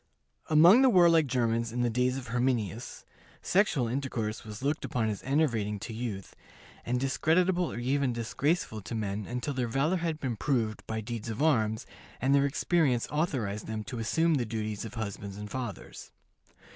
Among the warlike Germans in the days of Herminius, sexual intercourse was looked upon as enervating to youth, and discreditable or even disgraceful to men until their valor had been proved by deeds of arms, and their experience authorized them to assume the duties of husbands and fathers.